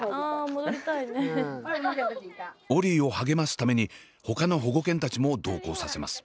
オリィを励ますためにほかの保護犬たちも同行させます。